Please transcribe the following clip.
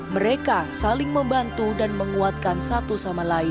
mereka saling membantu dan menguatkan satu sama lain